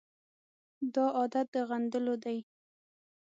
دا عادت د غندلو دی.